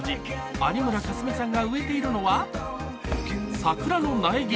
有村架純さんが植えていたのは桜の苗木。